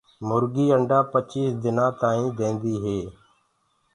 مرگي انڊآ پچيس دنآ تآئينٚ ديندي هي۔